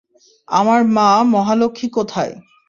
আমার মা মহালক্ষী কোথায়?